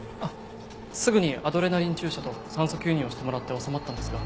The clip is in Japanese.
すぐにアドレナリン注射と酸素吸入をしてもらって治まったんですが。